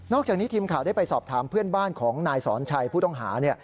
จากนี้ทีมข่าวได้ไปสอบถามเพื่อนบ้านของนายสอนชัยผู้ต้องหา